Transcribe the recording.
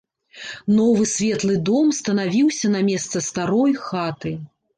Новы светлы дом станавіўся на месца старой хаты.